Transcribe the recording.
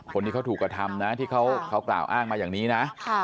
คนที่เขาถูกกระทำนะที่เขากล่าวอ้างมาอย่างนี้นะ